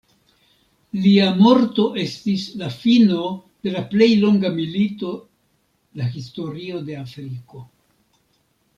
Lia morto estis la fino de la plej longa milito la historio de Afriko.